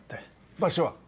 場所は？